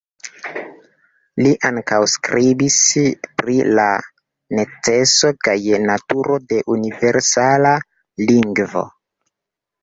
Li ankaŭ skribis pri la neceso kaj naturo de universala lingvo.